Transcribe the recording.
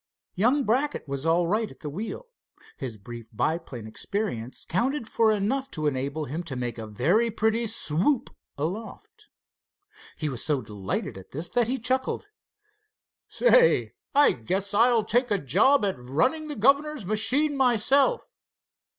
Young Brackett was all right at the wheel. His brief biplane experience counted for enough to enable him to make a very pretty swoop aloft. He was so delighted at this that he chuckled: "Say, I guess I'll take a job at running the governor's machine myself.